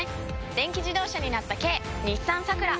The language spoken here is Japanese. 電気自動車になった軽日産サクラ！